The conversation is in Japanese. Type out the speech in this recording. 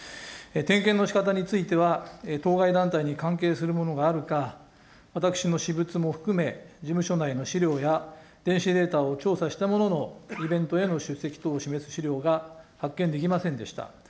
点検のしかたについては、当該団体に関係するものがあるか、私の私物も含め、事務所内の資料や、電子データを調査したもののイベントへの出席等を示す資料が発見できませんでした。